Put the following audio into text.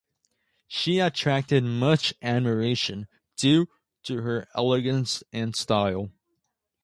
She attracted much admiration due to her elegance and style.